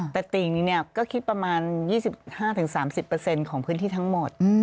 แต่ติ่งนี้ก็คิดประมาณ๒๕๓๐ของพื้นที่ทั้งหมด